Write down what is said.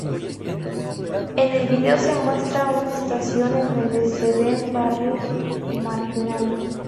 En el vídeo se muestra una estación en donde se ven barrios marginales.